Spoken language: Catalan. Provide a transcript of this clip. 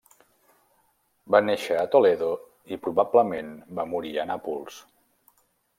Va néixer a Toledo i probablement va morir a Nàpols.